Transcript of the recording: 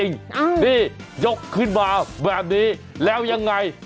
นี่ยกขึ้นมาแบบนี้แล้วยังไง